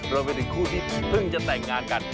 รวมไปถึงคู่ที่เพิ่งจะแต่งงานกัน